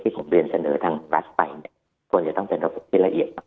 ที่ผมเรียนเสนอทางบรัฐไปเนี่ยคนจะต้องสร้างประสิทธิ์ละเอียดมาก